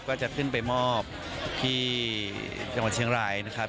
ก็จะขึ้นไปมอบที่จังหวัดเชียงรายนะครับ